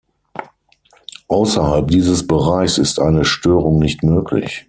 Außerhalb dieses Bereichs ist eine Störung nicht möglich.